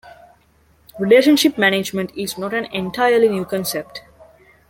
Relationship management is not an entirely new concept.